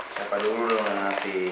siapa dulu yang ngasih